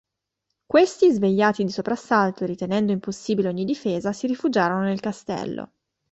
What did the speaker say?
Questi, svegliati di soprassalto e ritenendo impossibile ogni difesa, si rifugiarono nel castello.